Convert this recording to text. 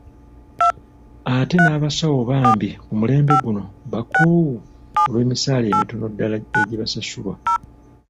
Ate n'abasawo bambi ku mulembe guno bakoowu olw'emisaala emitono ddala egibasasulwa.